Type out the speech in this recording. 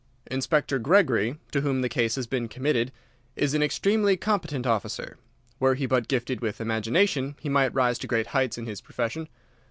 "Inspector Gregory, to whom the case has been committed, is an extremely competent officer. Were he but gifted with imagination he might rise to great heights in his profession.